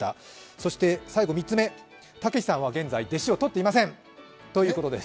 そして最後、３つ目、たけしさんは現在、弟子を取っていませんということです。